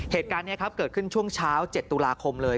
เหตุการณ์นี้ครับเกิดขึ้นช่วงเช้า๗ตุลาคมเลย